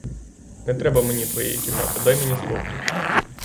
Не треба мені твоєї кімнати, дай мені спокій.